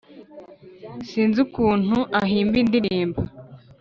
sinzi ukuntu ahimba indirimbo